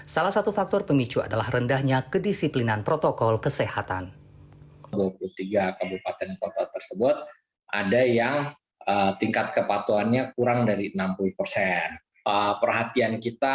salah satu faktor pemicu adalah rendahnya kedisiplinan protokol kesehatan